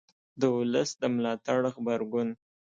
د ولس د ملاتړ غبرګون